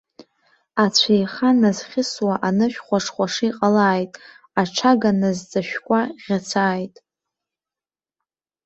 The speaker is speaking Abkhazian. Ацәеиха назхьысуа анышә хәашхәаша иҟалааит, аҽага назҵашәкуа ӷьацааит.